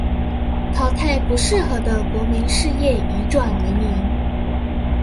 淘汰不適合的國營事業移轉民營